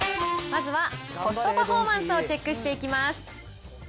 まずはコストパフォーマンスをチェックしていきます。